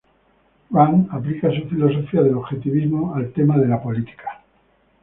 Rand aplica su filosofía del objetivismo al tema de la política.